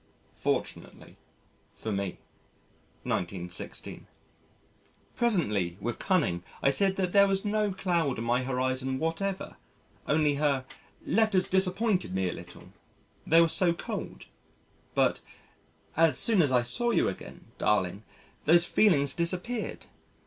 [Fortunately for me. 1916.] Presently with cunning I said that there was no cloud on my horizon whatever only her "letters disappointed me a little they were so cold," but "as soon as I saw you again, darling, those feelings disappeared."